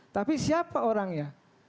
tapi siapa orangnya